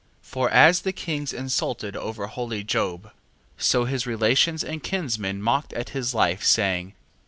2:15. For as the kings insulted over holy Job: so his relations and kinsmen mocked at his life, saying: Kings...